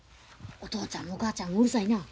お父ちゃんもお母ちゃんもうるさいな。